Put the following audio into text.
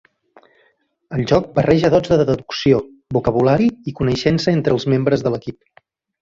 El joc barreja dots de deducció, vocabulari i coneixença entre els membres de l'equip.